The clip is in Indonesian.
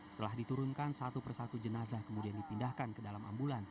setelah diturunkan satu persatu jenazah kemudian dipindahkan ke dalam ambulans